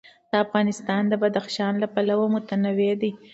افغانستان د بدخشان له پلوه متنوع دی.